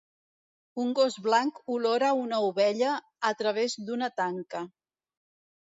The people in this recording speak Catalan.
Un gos blanc olora una ovella a través d'una tanca.